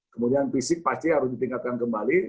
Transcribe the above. kemudian fisik pasti harus ditingkatkan kembali